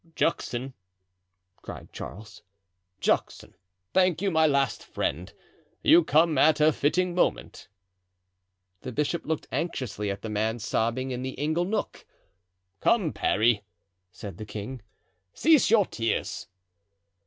"Juxon!" cried Charles, "Juxon, thank you, my last friend; you come at a fitting moment." The bishop looked anxiously at the man sobbing in the ingle nook. "Come, Parry," said the king, "cease your tears."